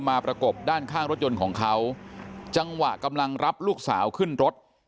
ประกบด้านข้างรถยนต์ของเขาจังหวะกำลังรับลูกสาวขึ้นรถ